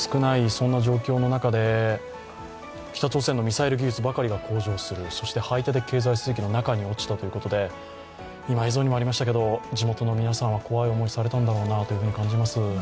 そんな状況の中で北朝鮮のミサイル技術ばかりが向上する、そして排他的経済水域の中に落ちたということで、地元の皆さんは怖い思いされたんだろうなと思います。